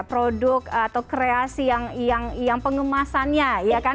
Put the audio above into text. produk atau kreasi yang pengemasannya ya kan